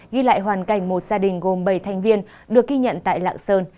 ghi lại hoàn cảnh một gia đình gồm bảy thành viên được ghi nhận tại lạng sơn